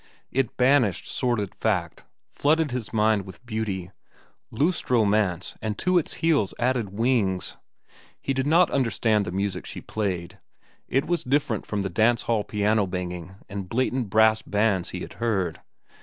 It banished sordid fact, flooded his mind with beauty, loosed romance and to its heels added wings. He did not understand the music she played. It was different from the dance hall piano banging and blatant brass bands he had heard.